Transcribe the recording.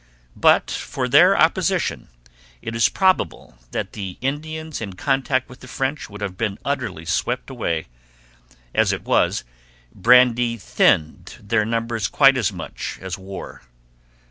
But for their opposition it is probable that the Indians in contact with the French would have been utterly swept away; as it was, brandy thinned their numbers quite as much as war.